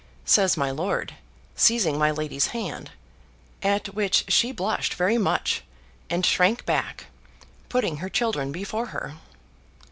says my lord, seizing my lady's hand, at which she blushed very much, and shrank back, putting her children before her.